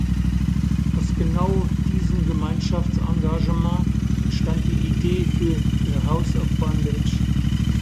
Aus genau diesem Gemeinschaftsengagement entstand die Idee für "The House of Bondage".